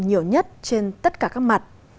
nhiều nhất trên tất cả các mặt